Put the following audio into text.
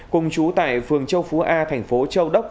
cùng chú tại phường châu phú a thành phố châu đốc